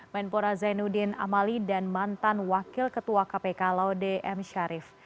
menpora zainuddin amali dan mantan wakil ketua kpk laude m sharif